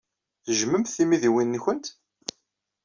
Tejjmemt timidiwin-nwent?